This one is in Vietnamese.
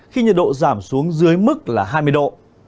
khi nhiệt độ giảm xuống dưới mức là hai mươi độ